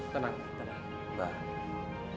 tenang tenang mbak